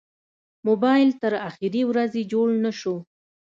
موبایل تر اخرې ورځې جوړ نه شو.